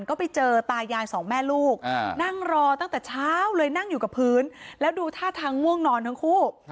ก็ไปเจอตายายสองแม่ลูกนั่งรอตั้งแต่เช้าเลยนั่งอยู่กับพื้นแล้วดูท่าทางง่วงนอนทั้งคู่